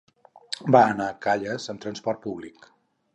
Va anar a Calles amb transport públic.